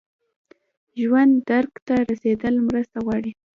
ژور درک ته رسیدل مرسته غواړي.